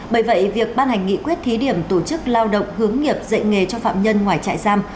bởi vậy việc ban hành nghị quyết thí điểm tổ chức lao động hướng nghiệp dạy nghề cho phạm nhân ngoài trại giam